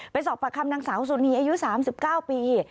เป็นสอบประคัมนังสาวสนนี้อายุ๓๙ปี